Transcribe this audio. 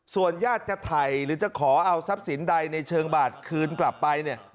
ส่วนญาติจะถ่ายหรือจะขอเอาทรัพย์สินใดในเชิงบาทคืนกลับไปเนี่ย